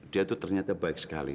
dia itu ternyata baik sekali